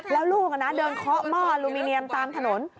แล้วลูกเดินเคาะหม้ออลูมิเนียมตามถนน